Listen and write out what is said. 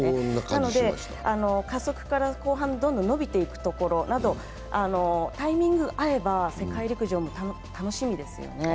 なので加速から後半どんどん伸びていくところなどタイミングが合えば世界陸上も楽しみですよね。